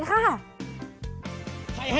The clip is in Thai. ภาพนี้เป็นหน้า